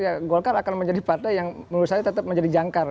ya golkar akan menjadi partai yang menurut saya tetap menjadi jangkar